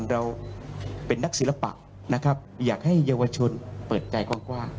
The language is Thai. เราเป็นนักศิลปะนะครับอยากให้เยาวชนเปิดใจกว้าง